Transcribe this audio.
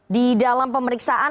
di dalam pemeriksaan